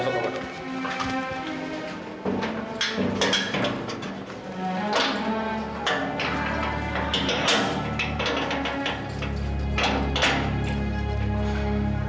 masuk ke rumah